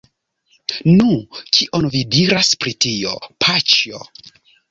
Nu! kion vi diras pri tio, paĉjo?